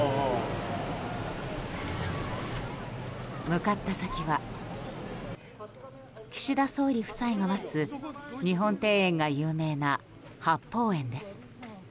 向かった先は岸田総理夫妻が待つ日本庭園が有名な八芳園です。